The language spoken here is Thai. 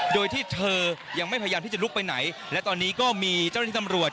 โดยที่เธอยังไม่พยายามที่จะลุกไปไหนและตอนนี้ก็มีเจ้าหน้าที่ตำรวจ